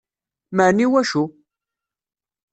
Meεna iwacu?